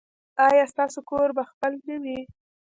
ایا ستاسو کور به خپل نه وي؟